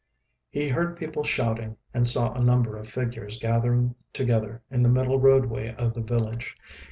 He heard people shouting, and saw a number of figures gathering together in the middle roadway of the village.